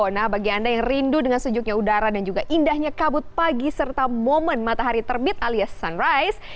nah bagi anda yang rindu dengan sejuknya udara dan juga indahnya kabut pagi serta momen matahari terbit alias sunrise